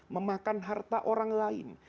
memakan harta orang lain